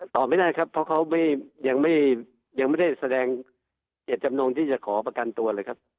ตอบไม่ได้ครับเพราะเขายังไม่ได้แสดงเจตจำนงที่จะขอประกันตัวเลยครับ